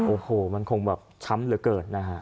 โอ้โหมันคงแบบช้ำเหลือเกินนะฮะ